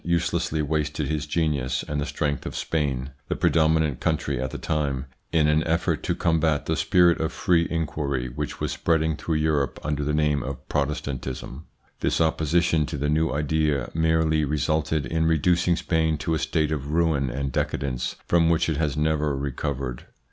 uselessly wasted his genius, and the strength of Spain the predominant country at the time in an effort to combat the spirit of free ITS INFLUENCE ON THEIR EVOLUTION 187 inquiry which was spreading through Europe under the name of Protestantism. This opposition to the new idea merely resulted in reducing Spain to a state of ruin and decadence from which it has never recovered.